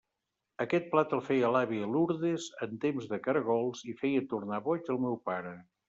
Aquest plat el feia l'àvia Lourdes en temps de caragols i feia tornar boig el meu pare.